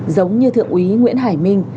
giống như thượng úy nguyễn hải minh